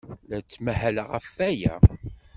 La nettmahal ɣef waya.